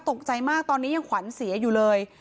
ตกใจมากตอนนี้ยังขวัญเสียอยู่เลย